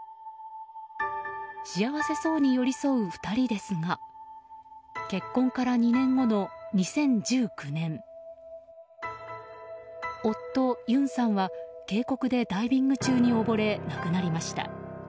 幸せそうに寄り添う２人ですが結婚から２年後の２０１９年夫ユンさんは渓谷でダイビング中に溺れ亡くなりました。